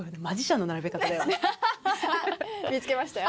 あっ見つけましたよ。